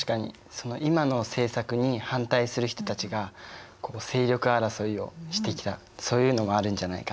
その今の政策に反対する人たちが勢力争いをしてきたそういうのもあるんじゃないかな。